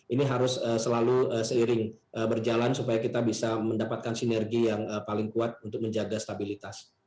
ini harus selalu seiring berjalan supaya kita bisa mendapatkan sinergi yang paling kuat untuk menjaga stabilitas